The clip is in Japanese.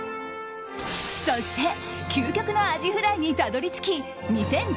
そして究極のアジフライにたどり着き２０１８年